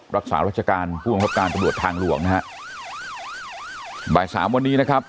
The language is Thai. รักษารัชการผู้บังคับการตำรวจทางหลวงนะฮะบ่ายสามวันนี้นะครับ